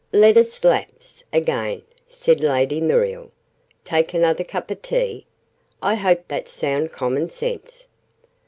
"Let us lapse back again," said Lady Muriel. "Take another cup of tea? I hope that's sound common sense?"